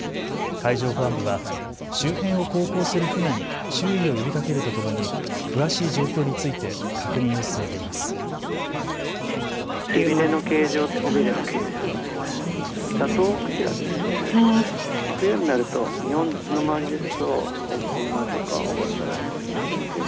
海上保安部は周辺を航行する船に注意を呼びかけるとともに詳しい状況について確認を進めています。